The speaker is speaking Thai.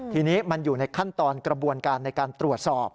ทีนี้มันอยู่ในขั้นตอนกระบวนการในการตรวจสอบ